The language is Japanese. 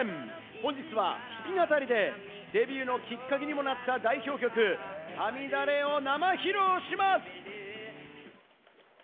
本日は弾き語りでデビューのきっかけにもなった代表曲『Ｓａｍｉｄａｒｅ』を生披露します。